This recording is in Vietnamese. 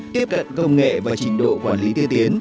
tiếp cận công nghệ và trình độ quản lý tiên tiến